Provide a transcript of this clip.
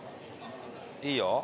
いいよ。